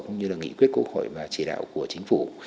cũng như là nghị quyết của hội và chỉ đạo của chính phủ